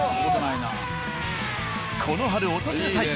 この春訪れたい！